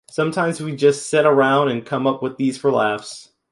Sometimes we just sit around and come up with these for laughs.